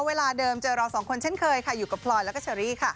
เวลาเดิมเจอเราสองคนเช่นเคยค่ะอยู่กับพลอยแล้วก็เชอรี่ค่ะ